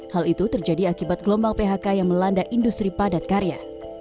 hal itu terjadi akibat gelombang phk yang melanda industri padat karya